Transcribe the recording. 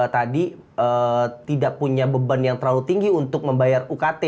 tadi tidak punya beban yang terlalu tinggi untuk membayar ukt